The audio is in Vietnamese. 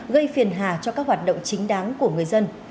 gây phiền hà cho các hoạt động chính đáng của người dân